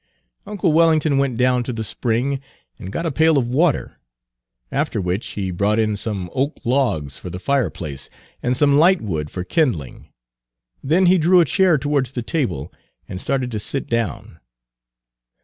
Uncle Wellington went down to the spring and got a pail of water, after which he brought in some oak logs for the fireplace and some lightwood for kindling. Then he drew a chair towards the table and started to sit down.